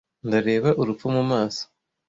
ndareba urupfu mu maso